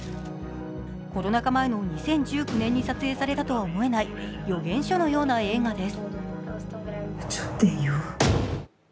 コロナ禍前の２０１９年に撮影されたとは思えない予言書のような映画です。